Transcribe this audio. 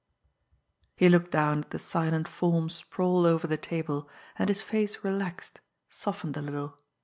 He looked down at the silent form sprawled over the table, and his face relaxed, softened a little.